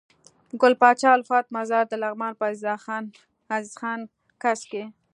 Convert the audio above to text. ګل پاچا الفت مزار دلغمان په عزيز خان کځ کي